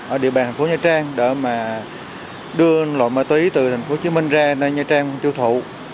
ở địa bàn thành phố nha trang để mà đưa loại ma túy từ thành phố hồ chí minh ra nha trang châu thụ